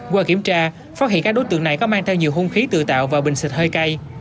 qua kiểm tra phát hiện các đối tượng này có mang theo nhiều hung khí tự tạo và bình xịt hơi cay